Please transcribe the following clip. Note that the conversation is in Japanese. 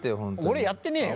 俺やってねえよ！